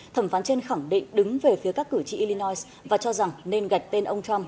thẩm phán trên khẳng định đứng về phía các cử tri illinois và cho rằng nên gạch tên ông trump